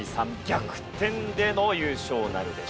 逆転での優勝なるでしょうか？